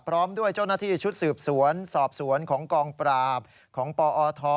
พร้อมด้วยเจ้าหน้าที่ชุดสืบสวนสอบสวนของกองปราบของปอท